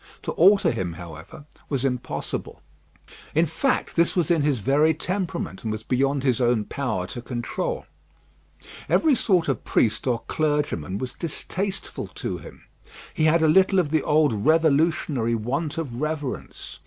To alter him, however, was impossible. In fact, this was in his very temperament, and was beyond his own power to control. Every sort of priest or clergyman was distasteful to him. He had a little of the old revolutionary want of reverence.